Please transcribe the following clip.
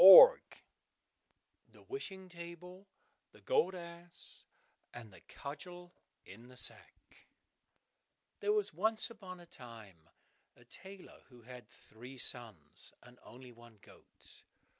36 The Wishing Table, the Gold Ass, and the Cudgel in the Sack There was once upon a time a tailor who had three sons, and only one goat.